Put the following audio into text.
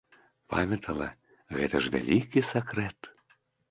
Памятала, гэта ж вялікі сакрэт!